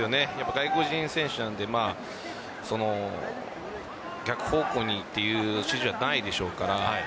外国人選手なので逆方向にという指示はないでしょうから。